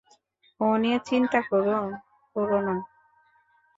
ও নিয়ে চিন্তা করো কোরো না।